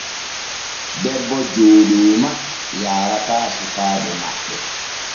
Debbo Jooɗooma yaarataa sukaaɓe maɓɓe.